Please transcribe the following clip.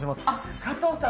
加藤さん！